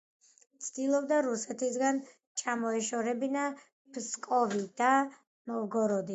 ცდილობდა რუსეთისგან ჩამოეშორებინა ფსკოვი და ნოვგოროდი.